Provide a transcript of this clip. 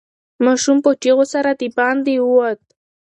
ماشوم په چیغو سره د باندې ووت.